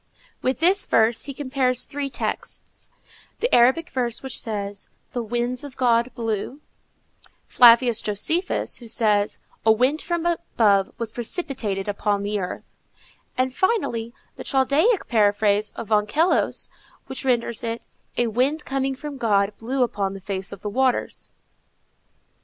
With this verse he compares three texts: the Arabic verse which says, The winds of God blew; Flavius Josephus who says, A wind from above was precipitated upon the earth; and finally, the Chaldaic paraphrase of Onkelos, which renders it, A wind coming from God blew upon the face of the waters.